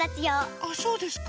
ああそうですか。